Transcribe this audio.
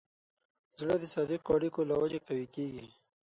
زړه د صادقو اړیکو له وجې قوي کېږي.